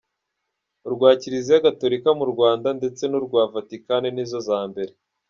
Urwa Kiliziya Gatolika mu Rwanda, ndetse n’urwa Vatican nizo za mbere.